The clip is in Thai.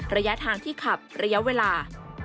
ระยะทางที่ขับระยะเวลา